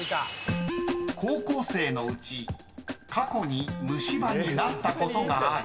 ［高校生のうち過去に虫歯になったことがある